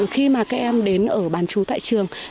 khi mà các em đến ở bán chú tại trường